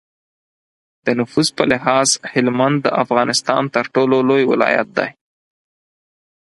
د نفوس په لحاظ هلمند د افغانستان تر ټولو لوی ولایت دی.